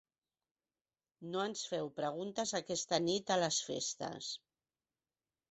No ens feu preguntes aquesta nit a les festes.